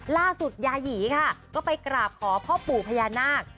ล่าสุดยายีก็ไปกราบขอพ่อปู่พญานาค